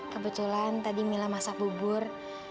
kebetulan tadi mila masak bubur